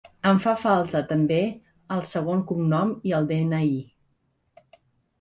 Em fa falta també el segon cognom i el de-ena-i.